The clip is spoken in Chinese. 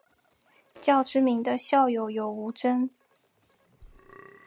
较知名的校友有吴峥。